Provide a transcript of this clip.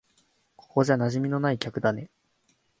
ここじゃ馴染みのない客だね。